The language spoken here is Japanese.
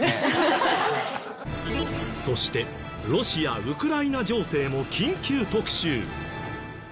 そしてロシアウクライナ情勢も緊急特集！